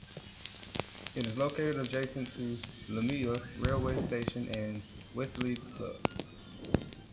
It is located adjacent to Leumeah railway station and Wests Leagues Club.